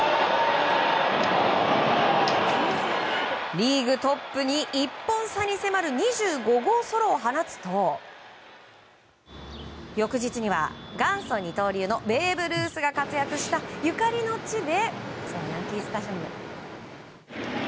リーグトップに１本差に迫る２５号ソロを放つと翌日には、元祖二刀流のベーブ・ルースが活躍したゆかりの地で。